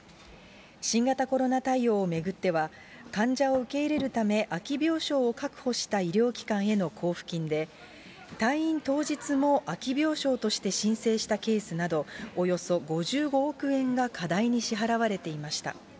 新型コロナ対応を巡っては、患者を受け入れるため、空き病床を確保した医療機関への交付金で、退院当日も空き病床として申請したケースなど、およそ５５億円が過大に支払われていました。